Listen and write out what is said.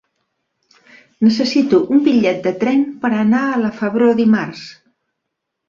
Necessito un bitllet de tren per anar a la Febró dimarts.